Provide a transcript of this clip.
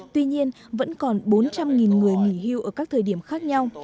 tuy nhiên vẫn còn bốn trăm linh người nghỉ hưu ở các thời điểm khác nhau